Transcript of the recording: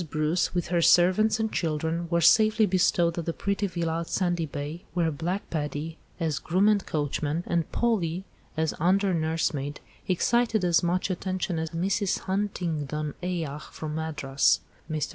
Bruce, with her servants and children, were safely bestowed at the pretty villa at Sandy Bay, where Black Paddy, as groom and coachman, and Polly, as under nursemaid, excited as much attention as Mrs. Huntingdon's ayah from Madras. Mr.